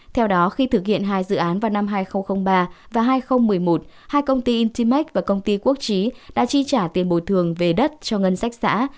theo đó khi thực hiện hai dự án vào năm hai nghìn ba và hai nghìn một mươi một hai công ty internet và công ty quốc trí đã chi trả tiền bồi thường về đất cho ngân sách xã